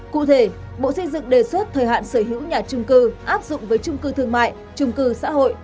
cụ thể bộ xây dựng đề xuất thời hạn sở hữu nhà chung cư áp dụng với chung cư thương mại chung cư xã hội